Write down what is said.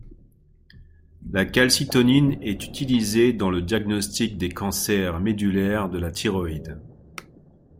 La calcitonine est utilisée dans le diagnostic des cancers médullaires de la thyroïde.